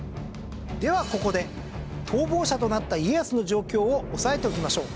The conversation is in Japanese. ではここで逃亡者となった家康の状況を押さえておきましょう。